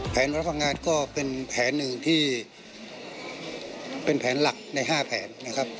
รับฟังงานก็เป็นแผนหนึ่งที่เป็นแผนหลักใน๕แผนนะครับ